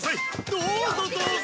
どうぞどうぞ！